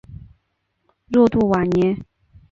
若杜瓦涅。